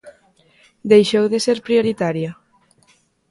¿Deixou de ser prioritario?